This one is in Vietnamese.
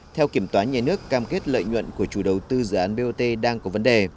theo kiểm toán nhà nước cam kết lợi nhuận của chủ đầu tư dự án bot đang có vấn đề